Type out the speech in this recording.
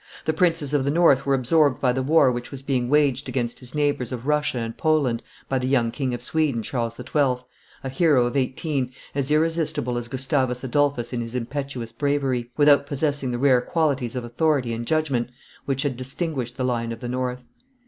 The princes of the north were absorbed by the war which was being waged against his neighbors of Russia and Poland by the young King of Sweden, Charles XII., a hero of eighteen, as irresistible as Gustavus Adolphus in his impetuous bravery, without possessing the rare qualities of authority and judgment which had distinguished the Lion of the North.